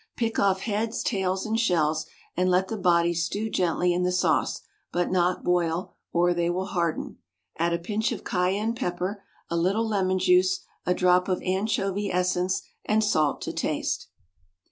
Pick off heads, tails, and shells, and let the bodies stew gently in the sauce, but not boil, or they will harden. Add a pinch of cayenne pepper, a little lemon juice, a drop of anchovy essence, and salt to taste.